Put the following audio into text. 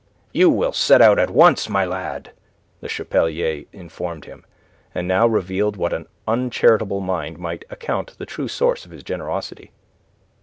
"You will set out at once, my lad," Le Chapelier informed him, and now revealed what an uncharitable mind might account the true source of his generosity.